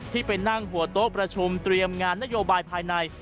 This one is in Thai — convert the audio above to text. ไปนั่งหัวโต๊ะประชุมเตรียมงานนโยบายภายใน